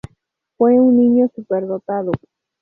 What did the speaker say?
Fue un niño superdotado.